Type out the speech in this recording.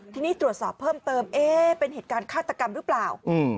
ทีนี้ตรวจสอบเพิ่มเติมเอ๊เป็นเหตุการณ์ฆาตกรรมหรือเปล่า